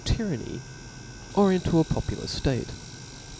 ^"^^ tyranny or into a popular ftate.